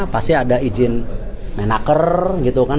pasti ada izin menaker gitu kan